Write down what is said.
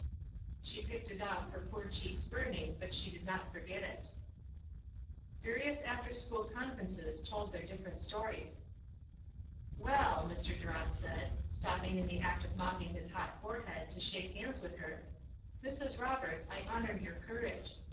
She picked it up, her poor cheeks burning, but she did not forget it. Various after school conferences told their different stories. "Well!" Mr. Durant said, stopping in the act of mopping his hot forehead to shake hands with her, "Mrs. Roberts, I honor your courage.